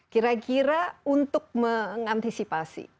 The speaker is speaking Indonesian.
kira kira untuk mengantisipasi